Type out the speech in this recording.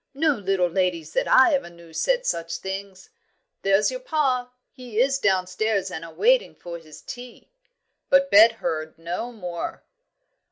No little ladies that I ever knew said such things. There's your pa, he is downstairs and a waiting for his tea." But Bet heard no more.